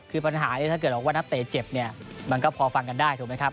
คือปัญหาเนี่ยถ้าเกิดว่านักเตะเจ็บเนี่ยมันก็พอฟังกันได้ถูกไหมครับ